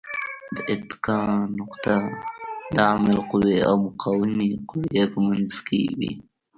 د اتکا نقطه د عامل قوې او مقاومې قوې په منځ کې وي.